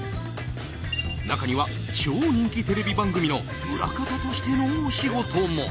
なかには、超人気テレビ番組の裏方としてのお仕事も。